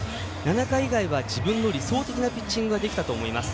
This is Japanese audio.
７回以外は自分の理想的なピッチングができたと思います。